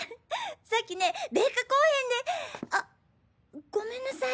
さっきね米花公園であっごめんなさい